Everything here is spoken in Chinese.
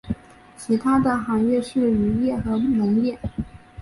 其它的行业是渔业和农业。